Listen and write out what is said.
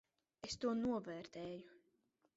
Es to novērtēju.